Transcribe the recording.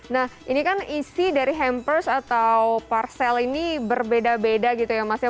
nah ini kan isi dari hampers atau parcel ini berbeda beda gitu ya mas ya